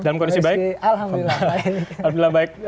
dalam kondisi baik alhamdulillah baik